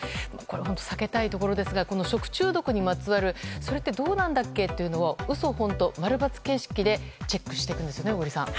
本当に避けたいところですが食中毒にまつわるそれってどうなんだっけ？というのをウソ・ホント〇×形式でチェックしていくんですね。